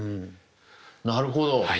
なるほど。